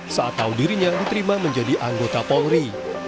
saat tahu dirinya diterima menjadi anggota polri